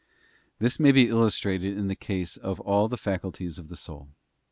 This may be illustrated in the case of all the faculties of the soul.